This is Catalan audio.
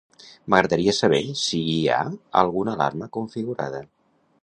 M'agradaria saber si hi ha alguna alarma configurada.